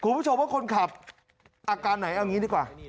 คุณผู้ชมว่าคนขับอาการไหนเอางี้ดีกว่า